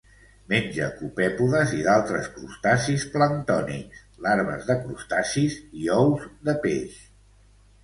Menja copèpodes i d'altres crustacis planctònics, larves de crustacis i ous de peix.